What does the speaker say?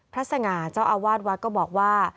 สง่าเจ้าอาวาสวัดก็บอกว่า